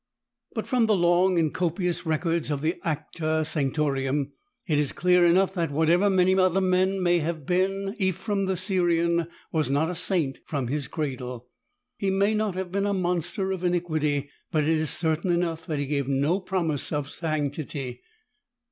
But from the long and copious records of the Acta Sanc torum it is clear enough that whatever many other men may have been, Ephrem the Syrian was not a Saint from his cradle. He may not have been a monster of iniquity, but it is certain enough that he gave nO' promise of sanctity.